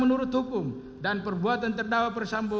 dengan perbuatan terdakwa perdisambo